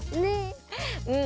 うん。